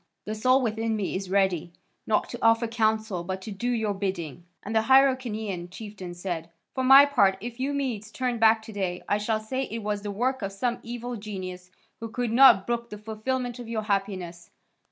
The soul within me is ready, not to offer counsel, but to do your bidding." And the Hyrcanian chieftain said, "For my part, if you Medes turn back to day I shall say it was the work of some evil genius, who could not brook the fulfilment of your happiness.